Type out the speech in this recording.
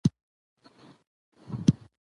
او امر یې وکړ چې کلاب او مور و پلار ته یې